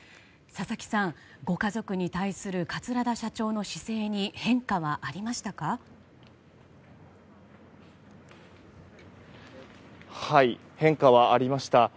佐々木さん、ご家族に対する桂田社長の姿勢に変化はありましたか？